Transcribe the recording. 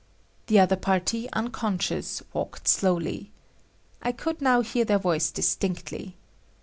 The other party, unconscious, walked slowly. I could now hear their voice distinctly.